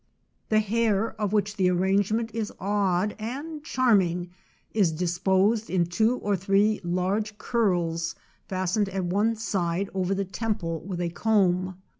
The hair, of which the arrangement is odd and charming, is disposed in two or three larofe curls fastened at one side over the temple with a comb.